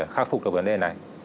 khắc phục được vấn đề này